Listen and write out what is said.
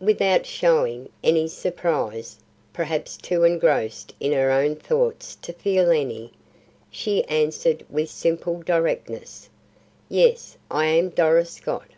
Without showing any surprise, perhaps too engrossed in her own thoughts to feel any, she answered with simple directness, "Yes, I am Doris Scott."